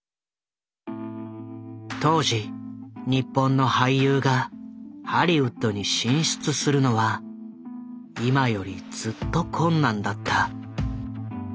当時日本の俳優がハリウッドに進出するのは今よりずっと困難だった。